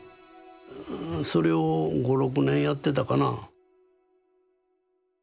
それを５６年やってたかな。